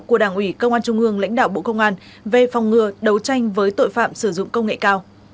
của đảng ủy công an trung ương lãnh đạo bộ công an về phòng ngừa đấu tranh với tội phạm sử dụng công nghệ cao